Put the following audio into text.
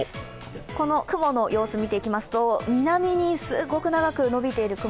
この雲の様子見ていきますと南にすごく長く延びている雲